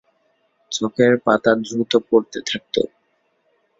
চোখের পাতা দ্রুত পড়তে থাকত।